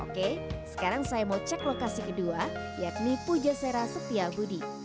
oke sekarang saya mau cek lokasi kedua yakni pujaserah setia budi